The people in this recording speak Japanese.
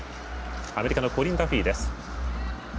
アメリカのコリン・ダフィーです。